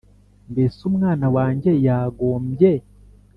Mbese umwana wanjye yagombye